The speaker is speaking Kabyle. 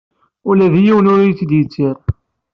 Ula d yiwen ur iyi-d-yettir.